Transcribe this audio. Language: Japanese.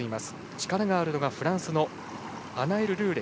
力があるのがフランスのアナエル・ルーレ。